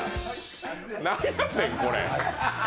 なんやねん、これ。